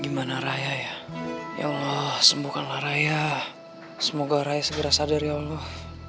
gimana raya ya ya allah sembuhkanlah raya semoga raya segera sadar ya allah